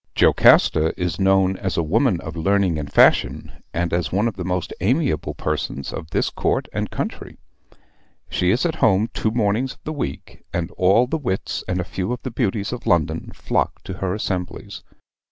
"Jocasta is known as a woman of learning and fashion, and as one of the most amiable persons of this court and country. She is at home two mornings of the week, and all the wits and a few of the beauties of London flock to her assemblies.